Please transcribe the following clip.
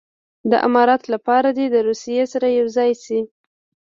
د امارت لپاره دې د روسیې سره یو ځای شي.